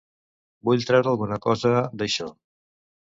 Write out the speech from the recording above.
Vull treure alguna cosa d'això.